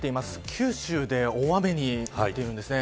九州で大雨になっているんですね。